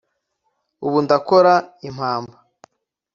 Ubu ndakora impamba